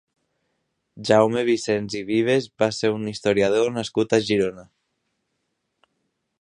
Jaume Vicens i Vives va ser un historiador nascut a Girona.